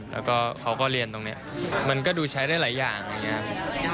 แล้วก็เขาก็เรียนตรงนี้มันก็ดูใช้ได้หลายอย่าง